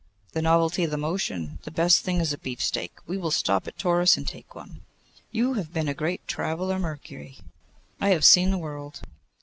'The novelty of the motion. The best thing is a beefsteak. We will stop at Taurus and take one.' 'You have been a great traveller, Mercury?' 'I have seen the world.